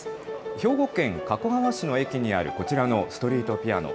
兵庫県加古川市の駅にあるこちらのストリートピアノ。